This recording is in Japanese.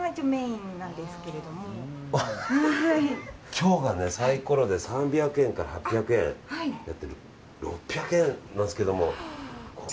今日がサイコロで３００円から８００円の中で６００円なんですけども。